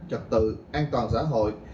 trật tự an toàn xã hội